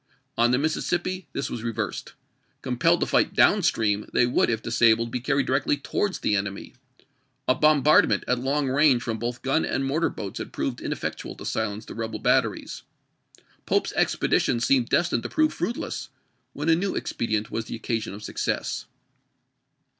On the Mississippi this was reversed. Compelled to fight down stream, they would, if disabled, be carried directly towards the enemy. A bombardment at long range from both gun and mortar boats had proved ineffectual to silence the rebel batteries. Pope's expedition seemed destined to prove fruitless, when a new expedient was the occasion of success.